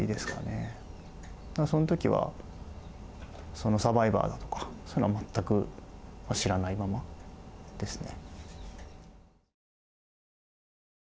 そのときはサバイバーだとかそういうのは全く知らないままですね。